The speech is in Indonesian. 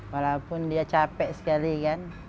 walaupun dia capek sekali kan